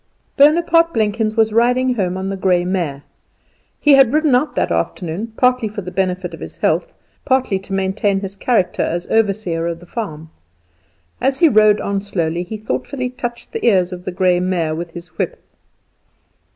Bonaparte Blenkins was riding home on the grey mare. He had ridden out that afternoon, partly for the benefit of his health, partly to maintain his character as overseer of the farm. As he rode on slowly, he thoughtfully touched the ears of the grey mare with his whip.